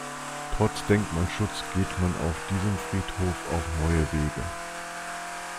Trotz Denkmalschutz geht man auf diesem Friedhof auch neue Wege.